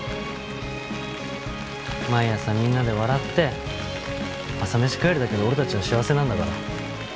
毎朝みんなで笑って朝飯食えるだけで俺たちは幸せなんだから。